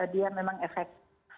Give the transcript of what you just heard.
dia memang efek